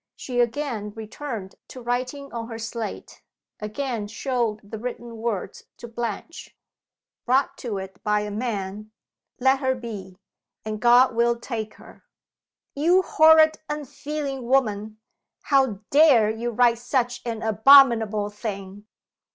She again returned to writing on her slate again showed the written words to Blanche. "Brought to it by a man. Let her be and God will take her." "You horrid unfeeling woman! how dare you write such an abominable thing!"